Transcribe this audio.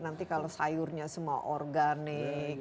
nanti kalau sayurnya semua organik